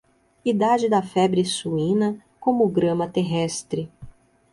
Idade da febre suína como grama terrestre.